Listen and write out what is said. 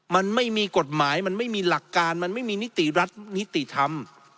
มันไม่มีกฎหมายมันไม่มีหลักการมันไม่มีนิติรัฐนิติธรรม